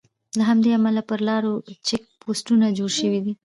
له همدې امله پر لارو چیک پواینټونه جوړ شوي دي.